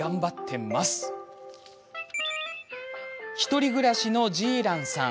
１人暮らしのジーランさん。